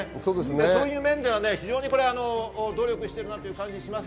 そういう面では非常に努力してる感じがします。